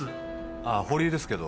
ああ堀井ですけど。